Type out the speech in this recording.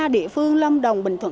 ba địa phương lâm đồng bình thuận